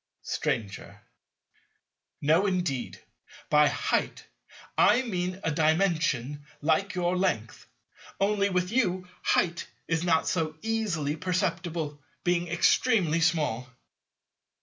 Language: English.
Stranger. No, indeed. By "height" I mean a Dimension like your length: only, with you, "height" is not so easily perceptible, being extremely small.